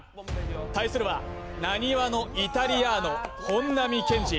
対するはなにわのイタリアーノ、本並健治。